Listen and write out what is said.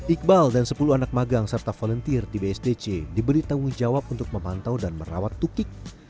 iqbal dan sepuluh anak magang serta volunteer di bsdc diberi tanggung jawab untuk memantau dan merawat tukik